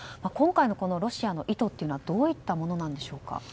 今回のロシアの意図というのはどういったものなんでしょうか。